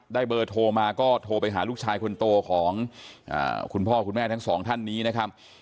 เบอร์โทรมาก็โทรไปหาลูกชายคนโตของคุณพ่อคุณแม่ทั้งสองท่านนี้นะครับ